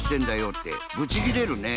ってブチギレるね。